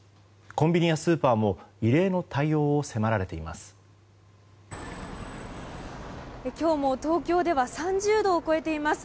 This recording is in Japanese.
コンビニやスーパーも異例の対応を迫られています。